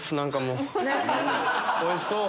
おいしそう！